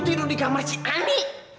tidur di kamar si ani